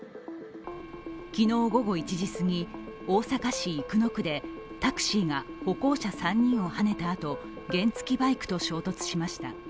昨日午後１時すぎ、大阪市生野区でタクシーが歩行者３人をはねたあと原付バイクと衝突しました。